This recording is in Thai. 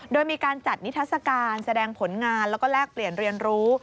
โดยมีการจัดนิทัศกาลแสดงผลงานแล้วก็แลกเปลี่ยนเรียนรู้